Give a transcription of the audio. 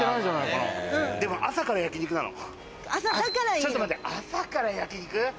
ちょっと待って朝から焼肉？